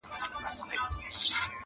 په عین و شین و قاف کي هغه ټوله جنتونه,